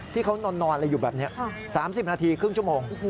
ที่เขานอนอะไรอยู่แบบนี้๓๐นาทีครึ่งชั่วโมง